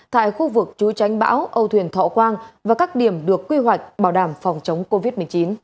tại khu vực chú tránh bão âu thuyền thọ quang và các điểm được quy hoạch bảo đảm phòng chống covid một mươi chín